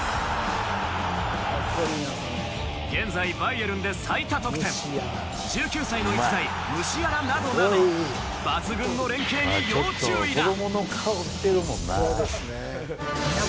現在、バイエルンで最多得点１９歳の逸材、ムシアラなどなど抜群の連係に要注意だ。